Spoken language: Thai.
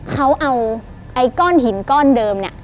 เขาเอาไอ้ก้อนหินก้อนเดิมเนี่ย